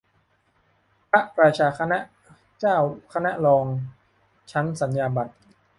พระราชาคณะ เจ้าคณะรอง ชั้นสัญญาบัตร